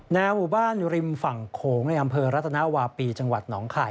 หมู่บ้านริมฝั่งโขงในอำเภอรัตนาวาปีจังหวัดหนองคาย